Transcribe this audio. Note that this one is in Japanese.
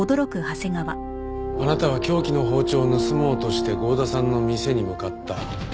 あなたは凶器の包丁を盗もうとして剛田さんの店に向かった。